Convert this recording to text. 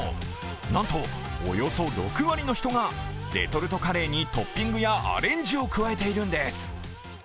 なんと、およそ６割の人がレトルトカレーにトッピングやアレンジを加えているんです。